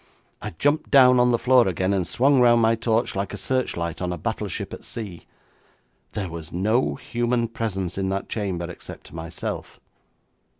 I jumped down on the floor again, and swung round my torch like a searchlight on a battleship at sea. There was no human presence in that chamber except myself.